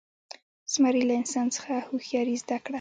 زمري له انسان څخه هوښیاري زده کړه.